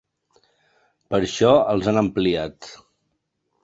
Per això els han ampliat.